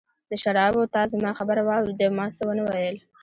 د شرابو، تا زما خبره واورېده، ما څه ونه ویل.